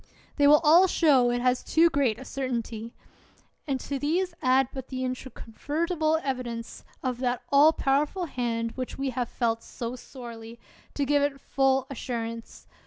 They will all show it has too great a certainty. And to these add but the introconvertible evidence of that all powerful hand which we have felt so sorely, to give it full assurance!